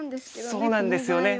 そうなんですよね。